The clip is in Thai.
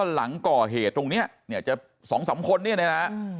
หลังก่อเหตุตรงนี้สองสามคน